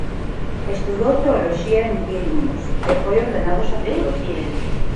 Estudou Teoloxía en Vilnius e foi ordenado sacerdote.